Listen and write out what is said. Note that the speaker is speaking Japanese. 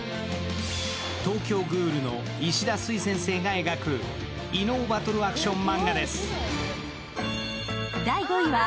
「東京喰種」の石田スイ先生が描く異能バトルアクションマンガです。